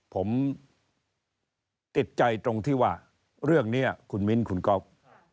ผมติดใจตรงที่ว่าเรื่องนี้คุณมิ้นคุณก๊อฟ